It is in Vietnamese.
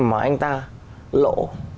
mà anh ta lộ